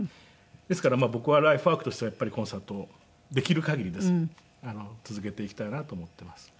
ですから僕はライフワークとしてはやっぱりコンサートをできるかぎりですが続けていきたいなと思っています。